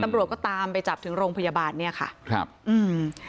ตำรวจก็ตามไปจับถึงโรงพยาบาลเนี้ยค่ะครับอืม